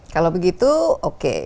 kalau begitu oke